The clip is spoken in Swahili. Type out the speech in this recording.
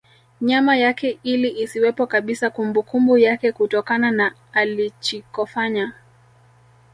Nyama yake ili isiwepo kabisa kumbukumbu yake kutokana na alichikofanya